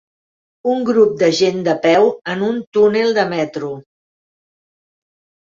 Un grup de gent de peu en un túnel de metro.